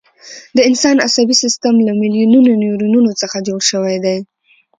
د انسان عصبي سیستم له میلیونونو نیورونونو څخه جوړ شوی دی.